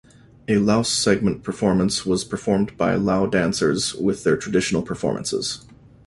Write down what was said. A Laos segment performance was performed by Lao dancers with their traditional performances.